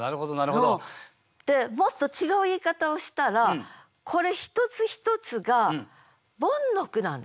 でもっと違う言い方をしたらこれ１つ１つがボンの句なんです。